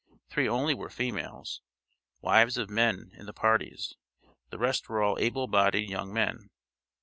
Three only were females, wives of men in the parties, the rest were all able bodied young men.